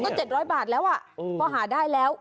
ก็๗๐๐บาทแล้วอ่ะพอหาได้แล้ว